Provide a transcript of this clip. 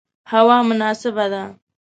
هوا مناسبه ده